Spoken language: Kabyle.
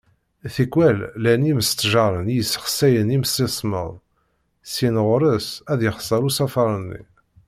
Tikwal, llan yimestjaren i yessexsayen imsismeḍ, syin ɣer-s, ad yexser usafar-nni.